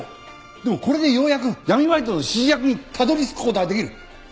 でもこれでようやく闇バイトの指示役にたどり着く事ができる。